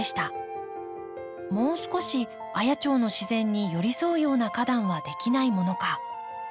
もう少し綾町の自然に寄り添うような花壇はできないものか。